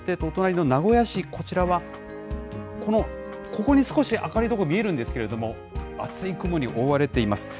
そしてお隣の名古屋市、こちらはこの、ここに少し明るい所、見えるんですけれども、厚い雲に覆われています。